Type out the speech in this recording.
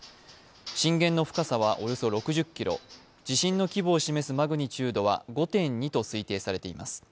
震源の深さはおよそ６０ｋｍ、地震の規模を示すマグニチュードは５．２と推定されています。